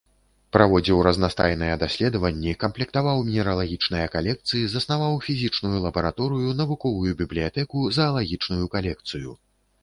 Праводзіў разнастайныя даследаванні, камплектаваў мінералагічныя калекцыі, заснаваў фізічную лабараторыю, навуковую бібліятэку, заалагічную калекцыю.